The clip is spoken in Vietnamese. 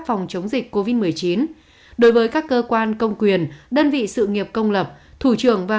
phòng chống dịch covid một mươi chín đối với các cơ quan công quyền đơn vị sự nghiệp công lập thủ trưởng và